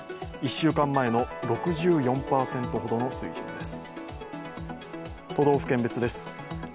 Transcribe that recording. １週間前の６４％ほどの水準です。